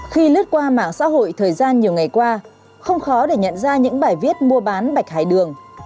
khi lướt qua mạng xã hội thời gian nhiều ngày qua không khó để nhận ra những bài viết mua bán bạch hải đường